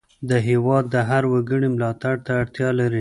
هېواد د هر وګړي ملاتړ ته اړتیا لري.